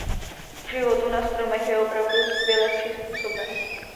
K životu na stromech je opravdu skvěle přizpůsoben.